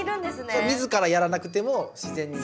そう自らやらなくても自然に。